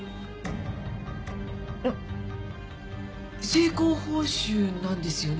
成功報酬なんですよね？